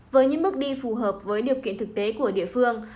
với những bước đi phù hợp với điều kiện thực tế của địa phương